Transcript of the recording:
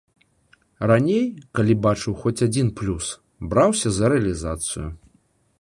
Раней, калі бачыў хоць адзін плюс, браўся за рэалізацыю.